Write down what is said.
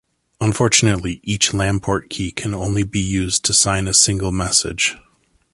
Unfortunately, each Lamport key can only be used to sign a single message.